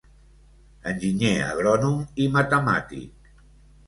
Enginyer agrònom i matemàtic.